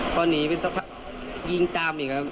พอหนีไปสักพักยิงตามอีกครับ